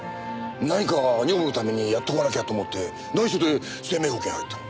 何か女房のためにやっとかなきゃと思って内緒で生命保険入ったの。